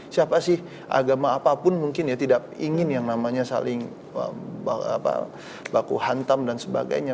siapa sih agama apapun mungkin ya tidak ingin yang namanya saling baku hantam dan sebagainya